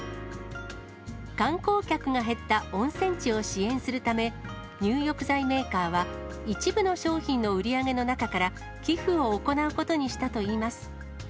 観光客が減った温泉地を支援するため、入浴剤メーカーは、一部の商品の売り上げの中から寄付を行うことにしたといいます。